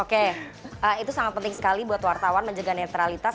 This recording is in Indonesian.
oke itu sangat penting sekali buat wartawan menjaga netralitas